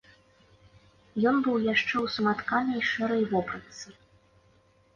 Ён быў яшчэ ў саматканай шэрай вопратцы.